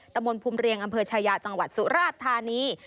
ตะมนต์ภูมิเรียงอำเภอชายาจังหวัดสุราชธานี